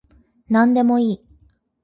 なんでもいい